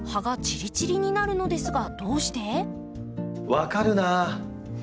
分かるなあ